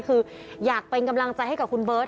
คืออยากเป็นกำลังใจให้กับคุณเบิร์ต